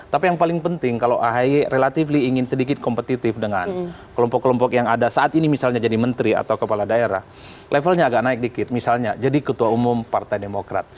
tapi yang paling penting kalau ahy relatively ingin sedikit kompetitif dengan kelompok kelompok yang ada saat ini misalnya jadi menteri atau kepala daerah levelnya agak naik dikit misalnya jadi ketua umum partai demokrat